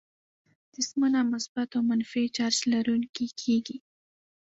جسمونه مثبت او منفي چارج لرونکي کیږي.